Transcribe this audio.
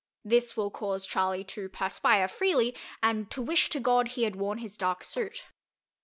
This will cause Charley to perspire freely and to wish to God he had worn his dark suit.